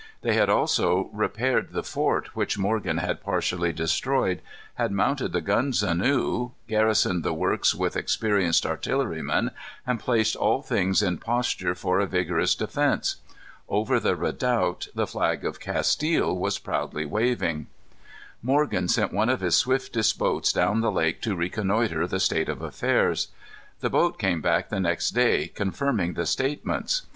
They had also repaired the fort which Morgan had partially destroyed, had mounted the guns anew, garrisoned the works with experienced artillerymen, and placed all things in posture for a vigorous defence. Over the redoubt the flag of Castile was proudly waving. Morgan sent one of his swiftest boats down the lake to reconnoitre the state of affairs. The boat came back the next day, confirming the statements.